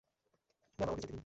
Ma'am, আমাকে যেতে দিন।